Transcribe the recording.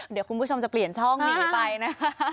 เดี๋ยวคุณผู้ชมจะเปลี่ยนช่องหนีไปนะ